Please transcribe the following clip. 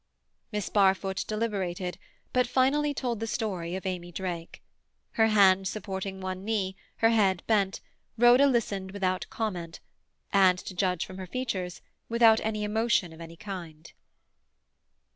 Miss Barfoot deliberated, but finally told the story of Amy Drake. Her hands supporting one knee, her head bent, Rhoda listened without comment, and, to judge from her features, without any emotion of any kind.